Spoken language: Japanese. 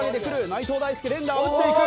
内藤大助連打を打っていく。